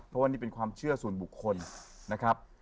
เพราะว่านี่เป็นความเชื่อส่วนบุคคลนะครับ